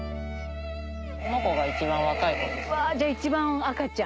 この子が一番若い子です。